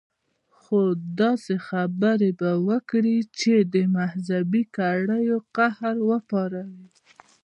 خو داسې خبرې به وکي چې د مذهبي کړيو قهر وپاروي.